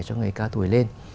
cho người cao tuổi lên